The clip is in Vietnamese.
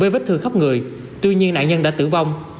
với vết thương khắp người tuy nhiên nạn nhân đã tử vong